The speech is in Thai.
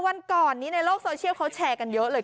วันก่อนนี้ในโลกโซเชียลเขาแชร์กันเยอะเลย